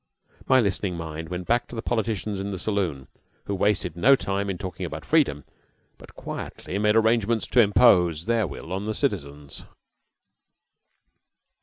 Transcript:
My listening mind went back to the politicians in the saloon, who wasted no time in talking about freedom, but quietly made arrangements to impose their will on the citizens.